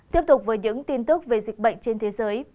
tiếp tục với những tin tức về dịch bệnh trên thế giới